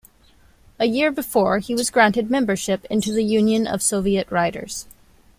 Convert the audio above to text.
A year before, he was granted membership into the Union of Soviet Writers.